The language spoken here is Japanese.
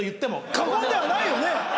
過言ではないよね。